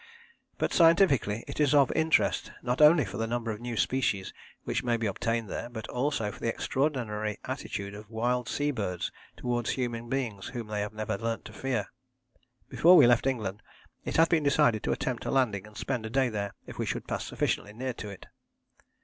But scientifically it is of interest, not only for the number of new species which may be obtained there, but also for the extraordinary attitude of wild sea birds towards human beings whom they have never learnt to fear. Before we left England it had been decided to attempt a landing and spend a day there if we should pass sufficiently near to it.